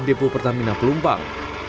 depo pertamina pelumpang